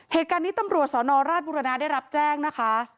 เหตุการณ์นี้ตำรวจสนราชบุรณาได้รับแจ้งนะคะ